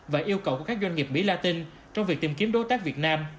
và yêu cầu của các doanh nghiệp mỹ la tinh trong việc tìm kiếm đối tác việt nam